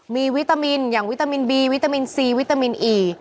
มีวิตามินอย่างวิตามินบีวิตามินซีวิตามินอี